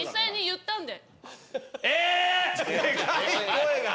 声が。